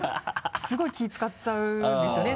すごい気を使っちゃうんですよね